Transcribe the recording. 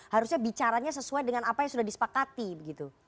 harusnya bicaranya sesuai dengan apa yang sudah disepakati begitu